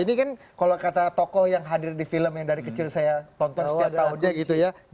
ini kan kalau kata tokoh yang hadir di film yang dari kecil saya tonton setiap tahunnya gitu ya